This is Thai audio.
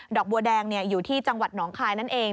อกบัวแดงอยู่ที่จังหวัดหนองคายนั่นเอง